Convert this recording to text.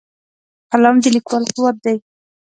قلم د لیکوال قوت دی